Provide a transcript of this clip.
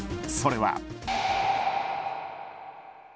それは。